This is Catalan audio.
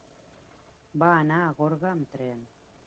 Va anar a Gorga amb tren.